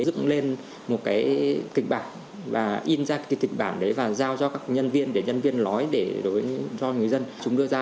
dựng lên một kịch bản và in ra kịch bản và giao cho các nhân viên để nhân viên nói cho người dân